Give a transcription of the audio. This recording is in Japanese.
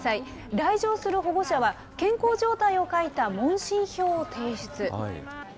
来場する保護者は、健康状態を書いた問診票を提出。